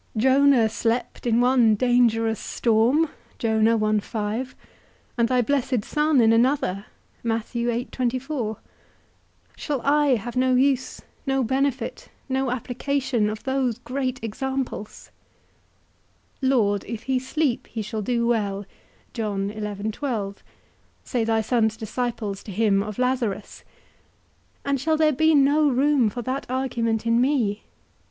Jonah slept in one dangerous storm, and thy blessed Son in another; shall I have no use, no benefit, no application of those great examples? Lord, if he sleep, he shall do well, say thy Son's disciples to him of Lazarus; and shall there be no room for that argument in me?